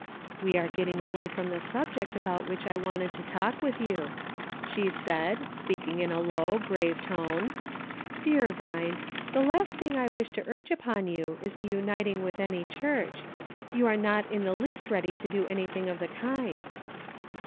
"We are getting away from the subject about which I wanted to talk with you," she said, speak ing in a low, grave tone ;" dear Vine, the last thing I wish to urge upon you is the uniting with any church. You are not in the least ready to do any thing of the kind."